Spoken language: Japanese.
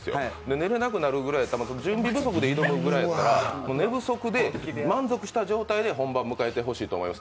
寝れなくなるくらいやら、準備不足で挑むくらいやったら、寝不足で満足した状態で本番を迎えてほしいと思います。